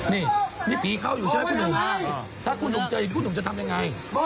นี่นี่ผีเข้าอยู่ใช่ไหมคุณหนุ่มถ้าคุณหนุ่มเจออย่างนี้คุณหนุ่มจะทำยังไง